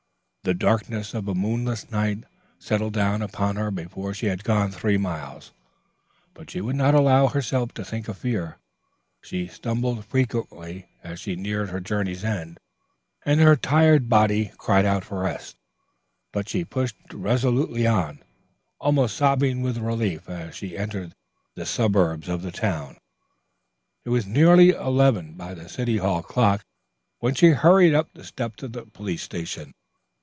The darkness of a moonless night settled down upon her before she had gone three miles, but she would not allow herself to think of fear. She stumbled frequently as she neared her journey's end, and her tired body cried out for rest, but she pushed resolutely on, almost sobbing with relief as she entered the suburbs of the town. It was nearly eleven by the city hall clock when she hurried up the steps of the police station.